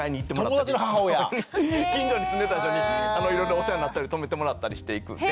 近所に住んでた間にいろいろお世話になったり泊めてもらったりしていく。